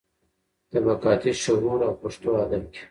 طبقاتي شعور او پښتو ادب کې.